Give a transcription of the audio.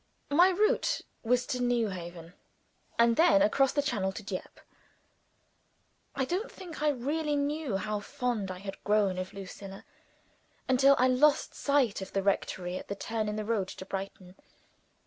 My route was to Newhaven, and then across the Channel to Dieppe. I don't think I really knew how fond I had grown of Lucilla, until I lost sight of the rectory at the turn in the road to Brighton.